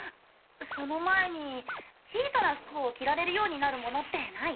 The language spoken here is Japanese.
その前に小さな服を着られるようになるものってない？